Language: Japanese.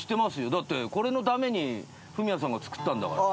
だってこれのためにフミヤさんが作ったんだから。